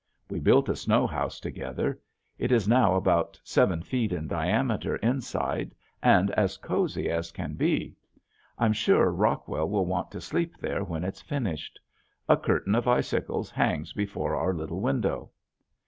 We built a snow house together. It is now about seven feet in diameter inside and as cozy as can be. I'm sure Rockwell will want to sleep there when it's finished. A curtain of icicles hangs before our little window.